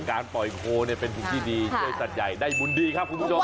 การปล่อยโพลเป็นภูมิที่ดีช่วยสัตว์ใหญ่ได้บุญดีครับคุณผู้ชม